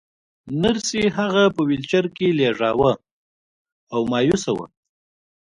نرسې هغه په ويلچر کې لېږداوه او مايوسه وه.